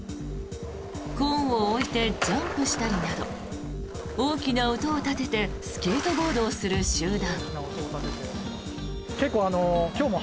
コーンを置いてジャンプしたりなど大きな音を立ててスケートボードをする集団。